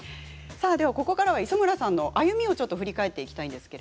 ここから磯村さんの歩みを振り返っていきたいと思います。